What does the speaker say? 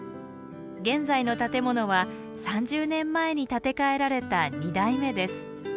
現在の建物は３０年前に建て替えられた２代目です。